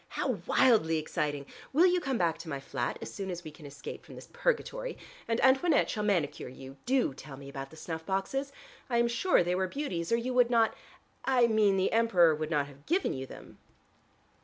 "How wildly exciting! Will you come back to my flat as soon as we can escape from this purgatory and Antoinette shall manicure you. Do tell me about the snuff boxes; I am sure they were beauties, or you would not I mean the Emperor would not have given you them."